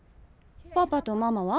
パパとママは？